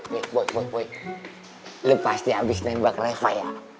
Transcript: lo pasti abis nembak refah ya